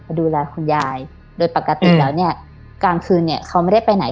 ดูแลคุณยายโดยปกติแล้วเนี่ยกลางคืนเนี่ยเขาไม่ได้ไปไหน